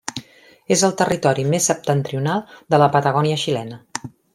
És el territori més septentrional de la Patagònia xilena.